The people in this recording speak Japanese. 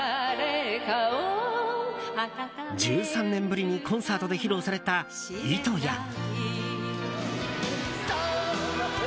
１３年ぶりにコンサートで披露された「糸」や。